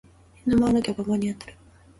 犬も歩けば棒に当たる